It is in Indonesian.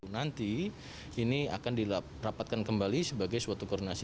nanti ini akan dirapatkan kembali sebagai suatu koordinasi